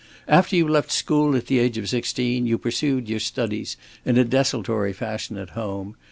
After you left school, at the age of sixteen, you pursued your studies in a desultory fashion at home.